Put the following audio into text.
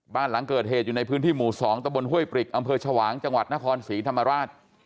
บ้านหลังเกิดเหตุอยู่ในพื้นที่หมู่๒ตะบนห้วยปริกอำเภอชวางจังหวัดนครศรีธรรมราช